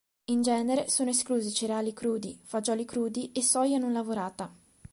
In genere sono esclusi cereali crudi, fagioli crudi e soia non lavorata.